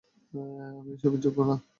আমি এসবের যোগ্য না।